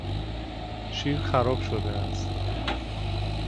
شیر خراب شده است.